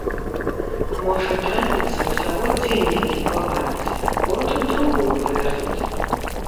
Можа, трапіцца ўсяго дзень які пабавіць, потым другую прывязуць.